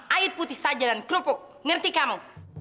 air putih saja dan kerupuk ngerti kamu